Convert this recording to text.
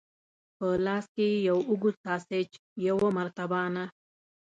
په لاس کې یې یو اوږد ساسیج، یوه مرتبانه.